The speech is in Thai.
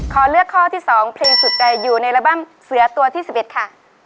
ขอเลือกข้อที่๒เพลงสุดใจอยู่ในอัลบั้มเสือตัวที่๑๑ค่ะ